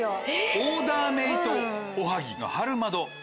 オーダーメイドおはぎ［春まど］。